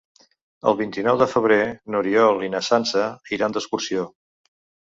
El vint-i-nou de febrer n'Oriol i na Sança iran d'excursió.